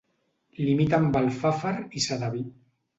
Limita amb Alfafar i Sedaví.